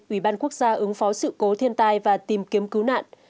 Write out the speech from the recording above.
ủy ban quốc gia ứng phó sự cố thiên tai và tìm kiếm cứu nạn